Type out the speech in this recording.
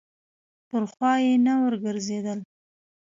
پر خوا یې نه یې ورګرځېدل.